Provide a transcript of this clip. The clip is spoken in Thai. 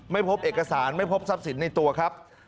ไม่พบเอกสารไม่พบทรัพย์สินในตัวครับ